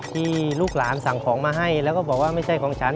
ที่ลูกหลานสั่งของมาให้แล้วก็บอกว่าไม่ใช่ของฉัน